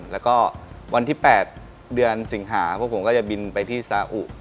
แล้วก็วันที่๘เดือนสิงหาพวกผมก็จะบินไปที่ซาอุ